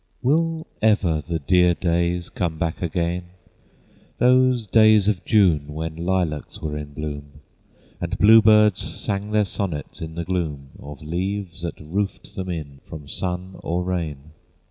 Will ever the dear days come back again, Those days of June, when lilacs were in bloom, And bluebirds sang their sonnets in the gloom Of leaves that roofed them in from sun or rain?